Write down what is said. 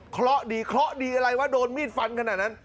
เพราะดีเคราะห์ดีอะไรวะโดนมีดฟันขนาดนั้น